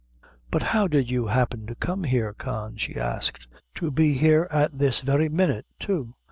"But how did you happen to come here, Con?" she asked; "to be here at the very minute, too?"